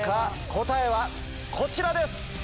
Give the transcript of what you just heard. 答えはこちらです！